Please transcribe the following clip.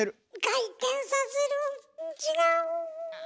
回転させる違うぅ。